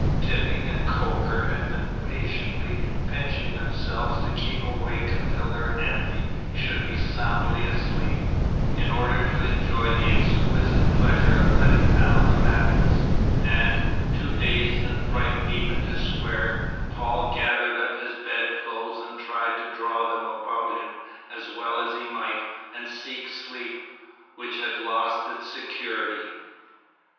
Tipping and Coker had been patiently pinching themselves to keep awake until their enemy should be soundly asleep, in order to enjoy the exquisite pleasure of letting down the mattress; and, too dazed and frightened even to swear, Paul gathered up his bedclothes and tried to draw them about him as well as he might, and seek sleep, which had lost its security.